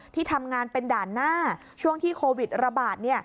ที่ทำงานเป็นด่านหน้าช่วงที่โควิดระบาด